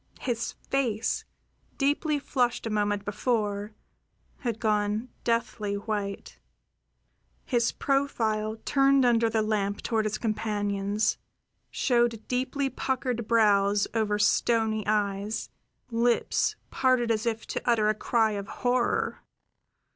His face, deeply flushed a moment before, had gone deathly white; his profile, turned under the lamp toward his companions, showed deeply puckered brows over stony eyes, lips parted as if to utter a cry of horror.